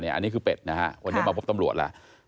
อันนี้คือเป็ดนะฮะวันนี้มาพบตำรวจแล้ว